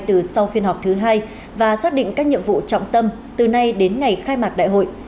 từ sau phiên họp thứ hai và xác định các nhiệm vụ trọng tâm từ nay đến ngày khai mạc đại hội